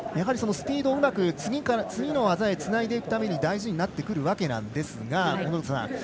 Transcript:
スピードをうまく次の技につないでいくために大事になってくるわけなんですが小野塚さん